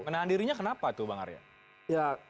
menahan dirinya kenapa tuh bang arya